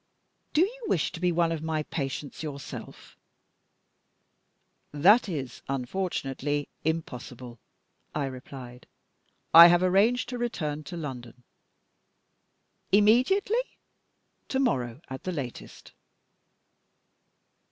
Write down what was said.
"Do you wish to be one of my patients yourself?" "That is, unfortunately, impossible," I replied "I have arranged to return to London." "Immediately?" "To morrow at the latest."